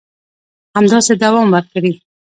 همداسې دوام وکړي